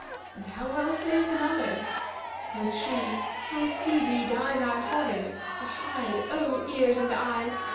[FN#268] And how well saith another' Quoth she, 'I see thee dye thy hoariness:'[FN#269] * 'To hide, O ears and eyes!